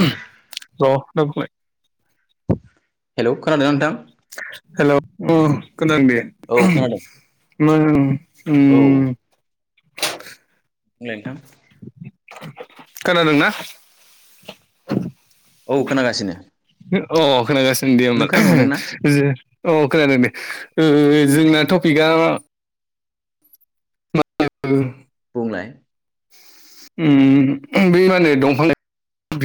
ज दाय हेल खोनादोंथ हेल गोनां दे औ खोनादों म ेलथाम खोनादोंनाा औ खोनागासिनो अ खोनागासिनो दे नों होमबाल खोनानो मोनदोंना अ खोनादों दे ओ जोंना टपिकआ [unintelligible] बुंलाय उम बेै माने दंफां [unintelligible]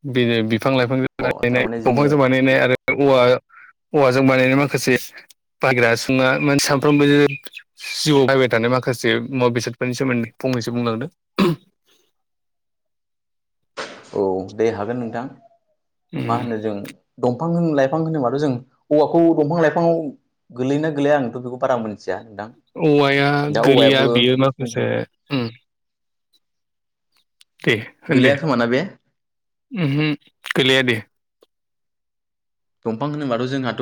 बिनो बिफां लाइफांजों अ बानायनाय थारमाने जोङो दंफांजों बानायनाय आरो औव औवाजों बानायनाय माखासे बाय्रा सुंङा माने सानफ्रोमबो जिउआव बायबाय थानाय माखासे मुवा बेसादफोरनि सोमोन्दै फंनैसो बुंलांदों औ दे हागोन नोंथां उम मा होनो जों दं दंफां लाइफां होनोबाथ जों औवाखौ दंफां लाइफांङाव गोलैय ना गोलैया आंथ बेखौ बारा मोनसै थिदां औवाया दा गोलैया औवायाबो बियो माखासे बुंनो थां उम दे होनदो खोमाना बे गोलैया दे दंफां होनोबाथ जोंहाथ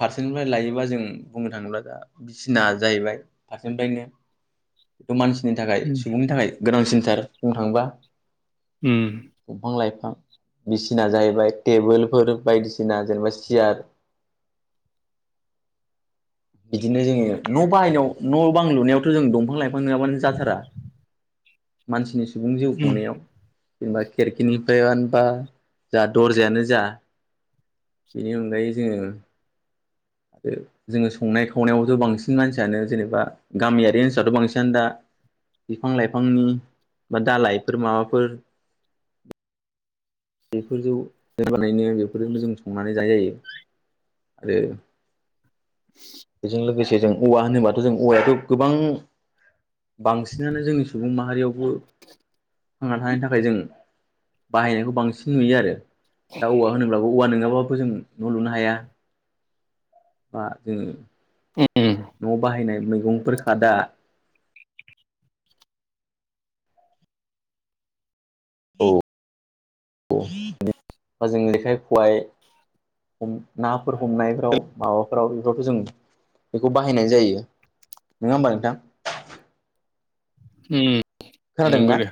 फारसेनिफ्राय लायोबा जों बुंनो थांङोब्ला दा बिसिना जाहैबाय फारसेनिफ्रायनो बेथ मानसि नि थाखाय उम सुबुंनि थाखाय गोनांसिनथार बुंनो थाङोबा उम दंफां लाइफां बिसिना जाहैबाय टेबोल फोर बायदिसिना बसि आरो [inaudible] बिदिनो जोंङो न बायनायाव न बां लुनायावथ जों दंफां लाइफां नङाबानो जाथारा मानसिनि सुबुं जिउ उम खुंनायाव जेनेबा खेरखिनिफ्रायानो बा जा दरजायानो जा बेनि अनगायै जोंङो आरो जोंङो संनाय खावनायाव बांसिन मानसियानो जेनेबा गामियारि ओनसोलथ बांसिनानो दा बिफां लाइफांनि बा दालाइफोर माबाफोर [unintelligible] बेफोरजों होबानायनो बेफोरजोंबो जों संनानै जानाय जायो आरो [unintelligible] बेजों लोगोसे जों औवा होनोबाथ जों औवायाथ गोबां बांसिनानो जोंनि सुबुं माहारियावबो थांना थानायनि थाखाय जों बाहायनायखौ बांसिन सिन नुयो आरो दा औवा होनोब्लाबो औवा नंङाब्ला थ जों न लुनो हाया बा जोंङो उम न बाहायनाय मैगंफोर खादा औ औ जों जेखाइ खबाइ हम नाफोर हमनायफोराव माबाफोराव बेफोरथ जों बेखौ बाहायनाय जायो नंङा होमबा नोंथां ओम खोनादोंना नंगौ दे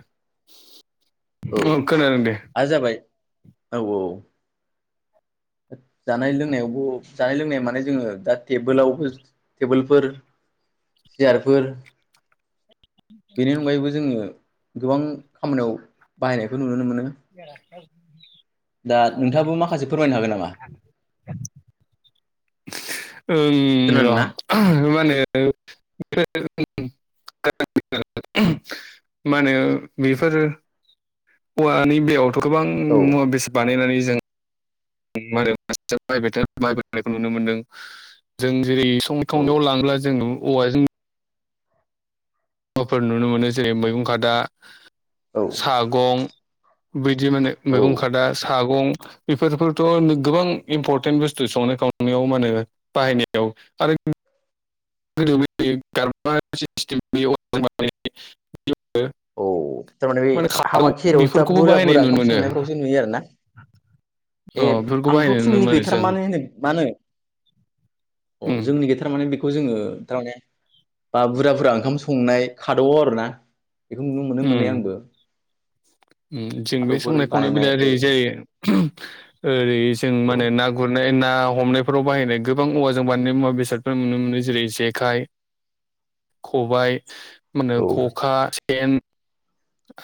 औ अ खोनादों दे आरो जाबाय औ औ जानाय लोंनायावबो जानाय लोंनाया माने जोंङो दा टेबोलावबो टेबोलफोर सियारफोर बेनि अनगायैबो जोंङो गोबां खामानियाव बाहायनायखौ नुनो मोनो [inaudible] दा नोंथाङाबो माखासे फोरमायनो हागोन नामा ओं र खोनादोंना? मा होनो [unintelligible] मा होनो बेफोरो औवानि बेयाव गोबां औ मुवा बेसाद बानायनानै जों गोबां बेसाद बायनायखौ नुनो मोनदों जों जेरै संनाय औ खावनायाव लांब्ला जों औवाजों फोर नुनो मोनो जेरै मैगं खादा औ सागं बै जि माने औ मैगं खादा सागं बेफोरफोरखौथ' गोबां इम्परटेन्ट बुस्थु संनाय खावनायाव मा होनो बाहायनायाव आरो [unintelligible] औ थारमाने बे माने खादौ हाबा खेरायाव बेफोरखौबो बुरजा बाहायनाय बुरजा नुनो ओंखाम मोनो संनायफ्रावसो नुयो आरो ना। ए अ बेफोरखौ आंथ' बाहायनाय नुनो जोंनि मोनो गैथारा जों मानो होनो मा होनो। अ उम जोंनि गैथारा माने खौ जोङो थारमाने बा बुरजा बुरजा ओंखाम संनाय खादाव आरो ना। बेखौ नुनो मोनो उम मोननाया आंबो। उम जों बे खादौफोर संनाय खावनाय बानायनाय बेलाया औ ओरै जायो ओरै जों औ माने ना गुरनाय ना हमनायफोराव बाहायनाय गोबां औवाजों बानायनाय मुवा बेसादफोर नुनो मोनो जेरै जेखाइ खबाय मा होनो औ खखा सेन।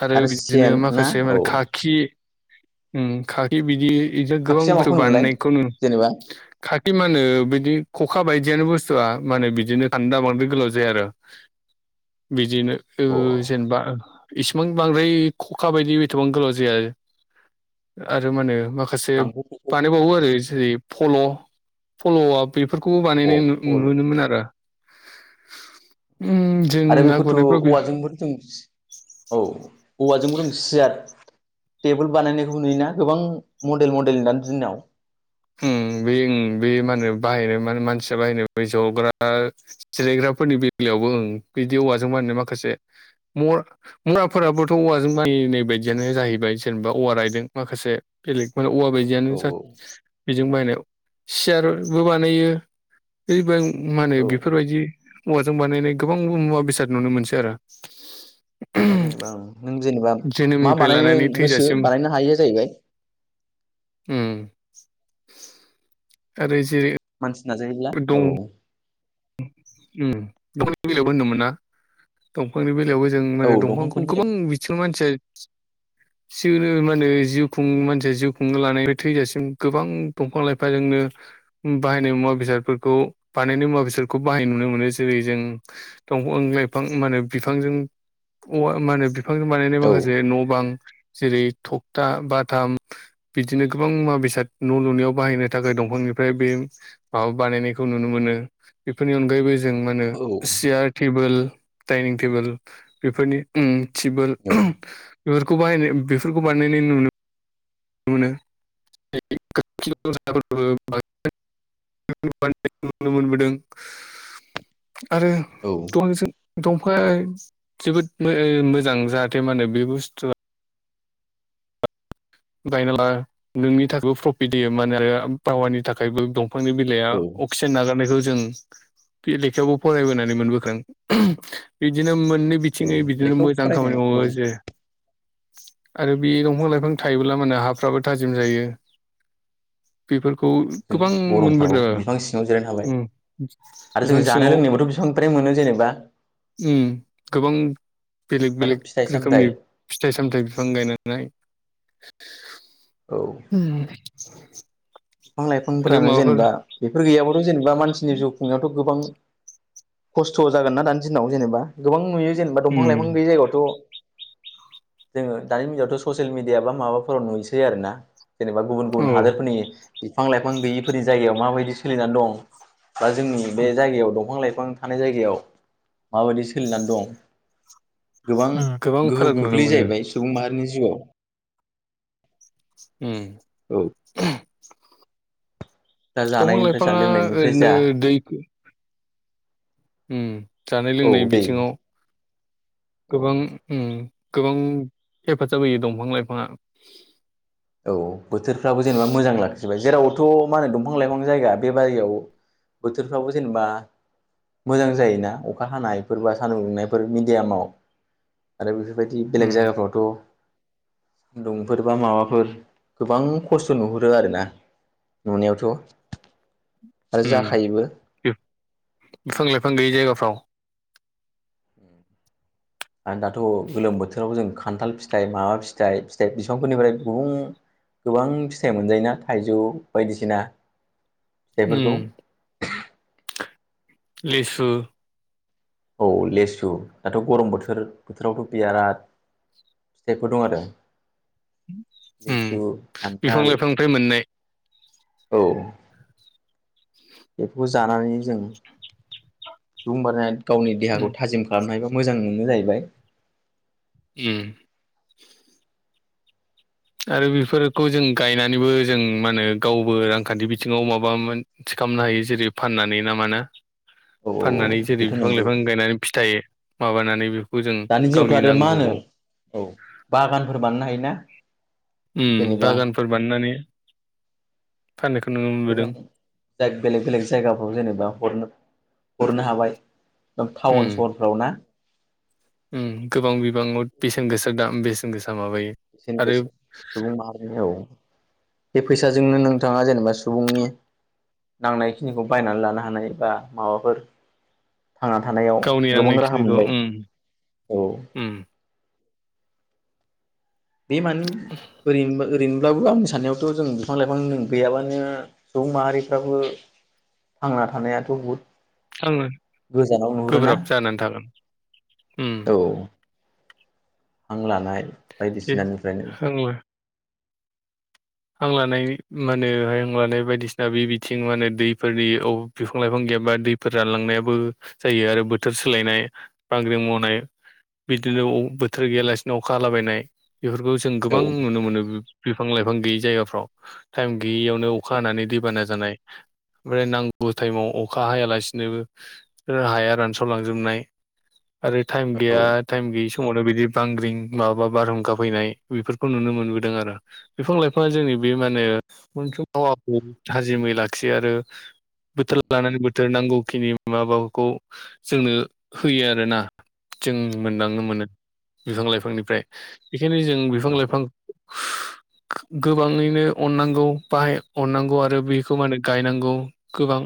आरो बिदिनो सेन ना माखासे औ माने खाखि उम खाखि बिदि बिदि गोबां खाखिया माखौ बुस्थु होनोमोनलाय बानायनायखौनो जेनेबा खाखि मा होनो बिदि खखा बायदियानो बुस्थुआ माने बिदिनो खान्दा बांद्राय गोलाव जाया आरो बिदिनो ओ अ जेनेबा इसिबां बांद्राय खखा बायदि एथबां गोलाव जाया आरो मा होनो मा खासे आंथ' बेखौ बानायबावो आरो जेरै फल' फल'आ बेफोरखौबो अ बानायनाय नु फल नुनो मोनो आरो। उम जों आरो ना बेखौथ' गुरनायफ्राव बे औवाजोंबो जों औ औवाजोंबो जों सियार टेबोल बानायनायखौबो नुयोना गोबां मडेल मडेल दानि दिनाव [unintelligible] बे ओं बे मा होनो बाहायनो मा मानसिया बाहायनो बे जग्रा जिरायग्राफोरनि बेलायाव आवबो उ बिदि औवाजों बानायनाय माखासे [unintelligible] मराफोराबोथ' औवाजों बानायनाय बायदिआनो। नो जाहैबाय जेनेबा औवा रायदों माखासे औ [unintelligible] बेजों बायनायाव सियारबो बानायो बे बें मा होनो औ बेफोरबायदि औवाजों बानायनाय गोबां मुवा बेसाद नुनो मोनसै आरो। [unintelligible] जेनेबा ओं नों जेनेबा मा जोनोमनिफ्राय बानायनो लानानै गोसो बानायनो हायो जाहैबाय। ओं आरो जिरि मानसि नाजायोब्ला औ। उम दंफांनि बेलायावबो होनदोंमोन ना दंफांनि बे बेयावबो जों औ माने दंफांखौ दंफांफोरनि गोबां बिथिङाव मानसि [unintelligible] माने जिउ खुं मानसिया जिउ खुंनो लानाय थैजासिम गोबां दंफां लाइफां जों बायनाय मुवा बेसादफोरखौ बानायनाय मुवा बेसाद खौ बाहायनाय नुनो मोनो जेरै जों दंफां लाइफां मा होनो बिफांजों औवा मा होनो बिफांजों बानायनाय औ औ माखासे न' बां जेरै थखथा बाथाम बिदिनो गोबां मुवा बेसाद न' लुनायाव बाहायनो थाखाय दंफां निफ्राय बे माबा बानायनायखौ नुनो मोनो। बेफोरनि अनगायैबो जों मा होनो औ सियार टेबोल। डाइनिं टेबोल बेफोरनि उ टिबोल। बेफोरखौ बाहायनाय बेफोरखौ बानायनाय नुनो मोनो [unintelligible] [unintelligible] नुनो मोनबोदों। आरो औ औ द [unintelligible] दंफांआ जोबोद मोजां जाहाथे मा होनो बे बुस्थुआ। गायना ला नोंनि थाखायबो प्रफिट होयो मान आरो पावारनि थाखायबो दं। फांनि बिलाया अक्सिजेन नागारनायखौ जों बे लेखायावबो फरायबोनानै मोनबोगोन बिदिनो मोन मोननै औ बिथिङै बिदिनो लेखायाव मोजां फरायनाय खामानि औ मावो जे आरो बे दंफां लाइफां थायोब्ला माने हाफ्राबो थाजिम जायो। बेफोरखौ जों गोबां गरमफ्राव मोनबोदों बिफां सिङाव जिरायनो हाबाय ओ बिफां सिङाव ओमफ्राय मोनो जेनेबा उम गोबां बेलेग दाथ' बेलेग फिथाइ रोखोमनि सामथाइ फिथाइ सामथायाइ बिफां गायनाय। औ उम। बिफां लाइफांफोरानो जेनेबा बेफोर गैयाब्लााथ' जेनेबा मानसिनि जिउ खुंनायावथ' गोबां। खस्थ' जागोन ना दानि दिनाव जेनेबा गोबां नुयो जेनेबा दंफां उम लाइफां गैयै जायगायावथ'। जोङो दानि मिनावथ' ससियेल मिडिया बा माबाफोराव नुयोसै आरोना। जेनेबा गुबुन औ गुबुन हादरफोरनि बिफां लाइफां गैयिफोरनि जायगायाव माबायदि सोलिनानै दं। बा जोंनि बे जायगायाव दंफां लाइफां। गोबां थानाय जायगायाव माबायदि सोलिनानै दं। गोबां गोबां गोहोम फाराग नुनो खोख्लैयो मोनो जाहैबाय सुबुं माहारिनि जिउआव। उम। औ दा दंफां जानायनिफ्राय जा लाइफाङा लोंनायनिफ्राय जा ओरैनो दै उम जानाय औ लोंनाय दै बिथिङाव औ गोबां उम। गोबां हेफाज होयोयो दंफां लाइफांआ। औ बोथोरफ्राबो जेनेबा मोजां लाखिबाय जेराव। थ' मा होनो दंफां लाइफां जायगा बेबारियाव बोथोरफ्राबो जेनेबा। मोजां जायोना अखा हानायफोर बा सानदुं दुंनायफोर मिडियामाव आरो बेफोर बेफोरबायदि उम बेलेग जायगाफ्रावथ' सानदुंफोर बा माबाफोर गोबां खस्थ' नुहुरो आरोना नुनायावथ' आरो उम जाखायोबो बिफां लाइफां गैयि जायगाफ्राव आरो दाथ' गोलोम बोथोराव जों खान्थाल फिथाइ माबा फिथाइ फिथाइ बिसबांफोरनिफ्राय गुबुंह। गोबां फिथाइ मोनजायोना थाइजौ बायदिसिना। फिथाइफोरखौ। लिसु। औ लेसु दाथ' गरम बोथोर बोथोरावथ' बिराद फिथाइफोर दं आरो लिसु बिफां खान्थाल। लाइफांनिफ्राय मोननाय औ। बेफोरखौ जानानै जों [unintelligible] गावनि उम देहाखौ थाजिम खालामनो हायोबा मोजां मोनो जाहैबाय। उम। आरो बेफोरखौ जों गायनानैबो जों मा होनो गावबो रांखान्थि बिथिङाव माबामोन खालामनो हायो जेरै फाननानै ना माना औ औ फाननानै जेरै बेथ' बिफां नंगौ लाइफां गायनानै फिथाइ माबानानै बिब दानि जिउआवथ' आरो मा होनो औ बागानफोर बानायनो हायोना? उम जेनेबा बागानफोर बानायनानै फाननायखौ नुनो मोनबोदों गोबां बेलेग बेलेग जायगाफ्राव जेनेबा हरनो हरनो हाबाय। उम टाउन सहरफ्राव ना? उम गोबां बिबाङाव बेसेन गोसा दाम बेसेन गोसा। माबायो एसेनो आरो गोसै सुबुं माहारिनियाव। बे फैसाजोंनो नोंथाङा जेनेबा सुबुंनि नांनाय खिनिखौ बायनानै लानो हानाय बा माबाफोर थांना थानायाव गावनि गोबां राहा नांनायखिनिखौ मोनबाय उम औ। उम बे मानो ओरैनोबा ओरैनो। अब्लाबो आंनि साननायावथ' जों बिफां लाइफां गैयाबानो सुबुं माहारिफ्राबो थांना थानायाथ' बुहुद आङो गोजानाव नुहुरोना गोब्राब जानानै थागोन उम औ। [inaudible] हां लानाय दे बायदिसिनानिफ्रायनो आंबो हां लानाय माने हाय हां लानाय बायदिसिना बे बिथिं माने दैफोरनि ओ बिफां लाइफां ग एबा दैफोर रानलांनायाबो जायो आरो बोथोर सोलायनाय बांग्रि मावनाय बिदिनो अ बोथोर गैयालासिनो अखा हालाबायनाय। बेफोरखौ जों गोबां औ नुनो मोनो बिफां लाइफां गैयै जायगाफ्राव टाइम गैयियावनो अखा हानानै दैबाना जानाय। ओमफ्राय नांगौ टाइमाव अखा हायालासिनोबो हाया रानसावलांजोबनाय। आरो टाइम गैया टाइम गैस समावनो बिदि बांग्रिं माबा बारहुंखा फैनाय बेफोरखौ नुनो मोनबोदों आरो बिफोर जोंनि बे माने [unintelligible] थाजिमै लाखियो आरो बोथोर लानानै बोथोर नांगौखिनि माबाफोरखौ जोंनो होयो आरोना। जों मोनदांनो मोनो बिफां लाइफांनिफ्राय बेखायनो जों बिफां लाइफां गोबाङैनो अननांगौ बाहाय अननांगौ आरो बेखौ मा होनो गायनांगौ गोबां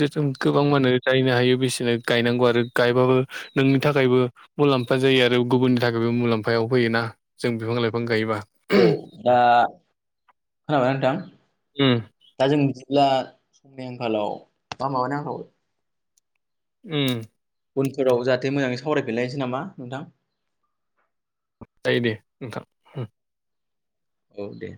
जोथोन गोबां मानो जायो। नो हायो बिसिनो गायनांगौ आरो गायबाबो नोंनि थाखायबो मुलाम्फा जायो आरो गुबुननि थाखायबो मुलाम्फायाव फैयोना जों बिफां लाइफां गायोबा औ [unintelligible] दा खोनाबाय ना नोंथां? उम दा जों अब्ला समनि आंखालाव मा [unintelligible] उम उनफोराव जाहाथे मोजाङै सावरायफिनलायनोसै नामा नोंथां? जायो दे नोंथां उम। औ दे।